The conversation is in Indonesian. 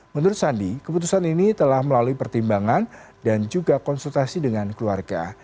menurut sandi keputusan ini telah melalui pertimbangan dan juga konsultasi dengan keluarga